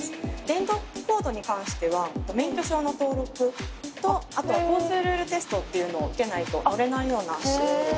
電動キックボードに関しては免許証の登録とあとは交通ルールテストっていうのを受けないと乗れないような仕組みに。